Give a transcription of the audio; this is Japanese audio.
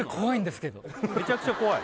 めちゃくちゃ怖い？